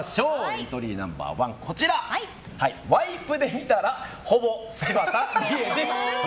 エントリーナンバー１ワイプで見たらほぼ柴田理恵です。